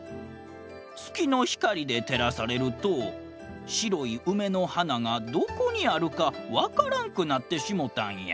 つきのひかりでてらされるとしろいうめのはながどこにあるかわからんくなってしもたんや。